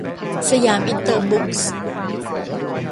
สยามอินเตอร์บุ๊คส์